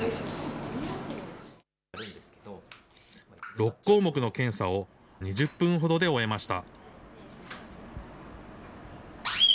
６項目の検査を２０分ほどで終えました。